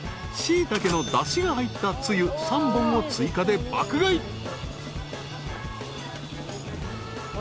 ［シイタケのだしが入ったつゆ３本を追加で爆買い］